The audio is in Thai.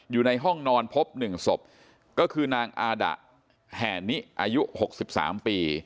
อยู่ในห้องนอนพบ๑ศพก็คือนางอาดะแห่นิอายุ๖๓ปี